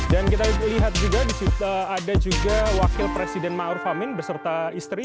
dan kita lihat juga disitu ada juga wakil presiden ma'ruf amin beserta istri